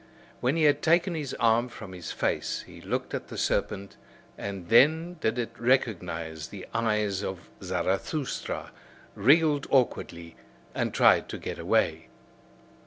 When he had taken his arm from his face he looked at the serpent; and then did it recognise the eyes of Zarathustra, wriggled awkwardly, and tried to get away.